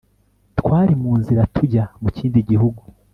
twari mu nzira tujya mu kindi gihugu